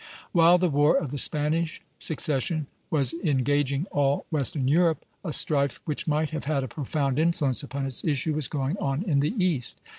While the War of the Spanish Succession was engaging all western Europe, a strife which might have had a profound influence upon its issue was going on in the east.